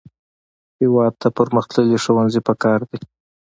هېواد ته پرمختللي ښوونځي پکار دي